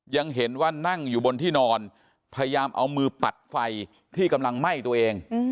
ยังเห็นว่านั่งอยู่บนที่นอนพยายามเอามือปัดไฟที่กำลังไหม้ตัวเอง